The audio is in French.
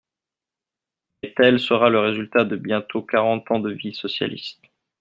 Mais tel sera le résultat de bientôt quarante ans de vie socialiste.